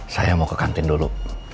saya mau ke kantin dulu